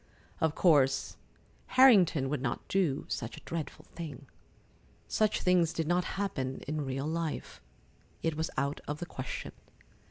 Of course Harrington would not do such a dreadful thing. Such things did not happen in real life. It was out of the question.